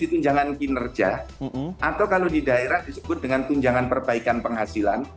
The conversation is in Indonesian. jadi tunjangan kinerja atau kalau di daerah disebut dengan tunjangan perbaikan penghasilan